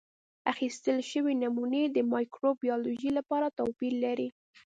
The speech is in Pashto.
اخیستل شوې نمونې د مایکروبیولوژي لپاره توپیر لري.